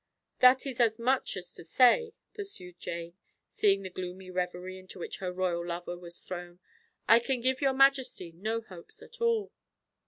"That is as much as to say," pursued Jane, seeing the gloomy reverie into which her royal lover was thrown, "I can give your majesty no hopes at all."